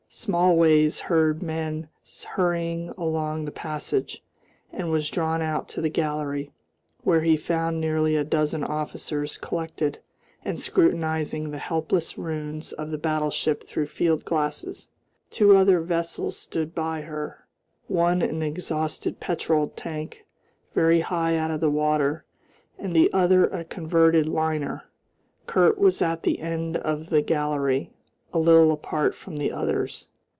Smallways heard men hurrying along the passage, and was drawn out to the gallery, where he found nearly a dozen officers collected and scrutinising the helpless ruins of the battleship through field glasses. Two other vessels stood by her, one an exhausted petrol tank, very high out of the water, and the other a converted liner. Kurt was at the end of the gallery, a little apart from the others.